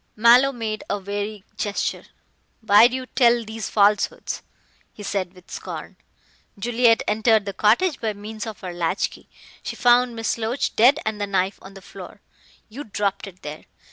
Mallow made a weary gesture. "Why do you tell these falsehoods?" he said with scorn. "Juliet entered the cottage by means of her latch key. She found Miss Loach dead and the knife on the floor. You dropped it there.